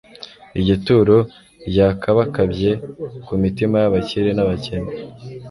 Iryo turo ryakabakabye ku mitima y'abakire n'abakene